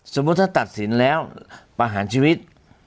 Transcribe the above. สมมุติถ้าตัดสินแล้วประหารชีวิต